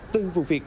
từ vụ việc